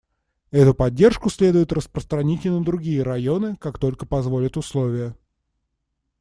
Эту поддержку следует распространить и на другие районы, как только позволят условия.